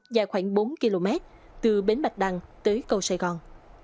dài khoảng bốn km từ bến bạch đăng tới cầu sài gòn